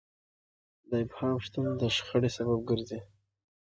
د ابهام شتون د شخړې سبب ګرځي.